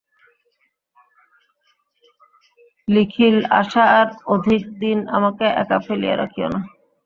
লিখিল, আশা, আর অধিক দিন আমাকে একা ফেলিয়া রাখিয়ো না।